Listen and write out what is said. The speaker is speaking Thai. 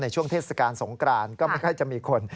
ช่วงเทศกาลสงกรานก็ไม่ค่อยจะมีคน